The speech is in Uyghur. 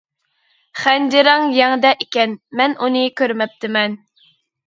خەنجىرىڭ يەڭدە ئىكەن، مەن ئۇنى كۆرمەپتىمەن.